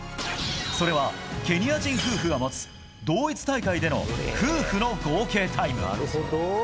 それは、ケニア人夫婦が持つ同一大会での夫婦の合計タイム。